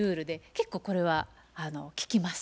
結構これは効きます。